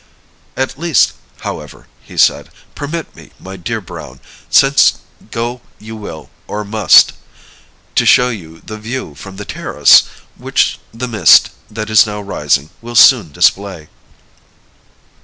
"At least, however," he said, "permit me, my dear Browne, since go you will or must, to show you the view from the terrace, which the mist, that is now rising, will soon display."